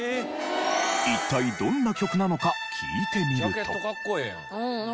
一体どんな曲なのか聴いてみると。